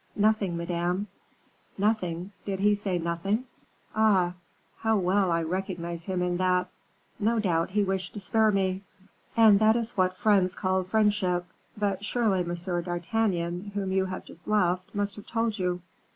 "Nothing, Madame." "Nothing! Did he say nothing? Ah! how well I recognize him in that." "No doubt he wished to spare me." "And that is what friends call friendship. But surely, M. d'Artagnan, whom you have just left, must have told you."